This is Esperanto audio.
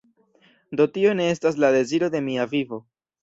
Do tio ne estas la deziro de mia vivo